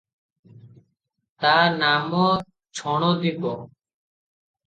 ତା ନାମ ଛଣଦ୍ୱୀପ ।